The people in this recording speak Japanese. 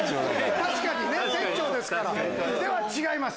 確かにね店長ですからでも違います。